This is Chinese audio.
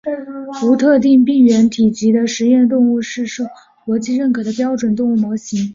无特定病原体级的实验动物是受国际认可的标准动物模型。